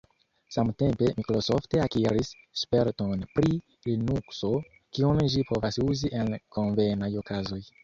Samtempe Microsoft akiris sperton pri Linukso, kiun ĝi povas uzi en konvenaj okazoj.